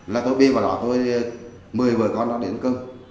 là tôi bế vào đó tôi mời vợ con nó đến ăn cơm